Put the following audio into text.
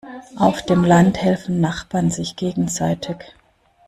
Auf dem Land helfen Nachbarn sich gegenseitig.